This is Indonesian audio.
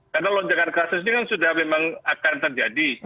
karena lonjakan kasus ini kan sudah memang akan terjadi